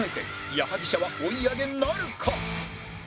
矢作舎は追い上げなるか？